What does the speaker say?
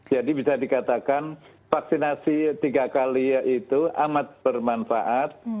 jadi bisa dikatakan vaksinasi tiga kali itu amat bermanfaat